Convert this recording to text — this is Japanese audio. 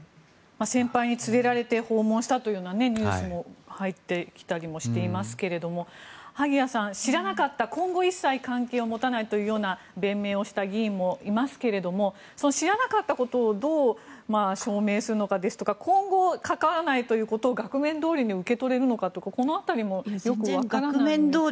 先輩に連れられて訪問したというようなニュースも入ってきたりもしていますが萩谷さん、知らなかった今後一切関係を持たないというような弁明をした議員もいますけれども知らなかったことをどう証明するのかですとか今後、関わらないということを額面どおりに受け取れるのかこの辺りもよくわからないです。